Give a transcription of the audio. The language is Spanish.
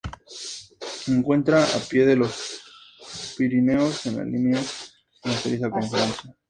Se encuentra a pie de los Pirineos, en la línea fronteriza con Francia.